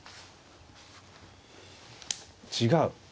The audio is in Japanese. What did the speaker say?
違う。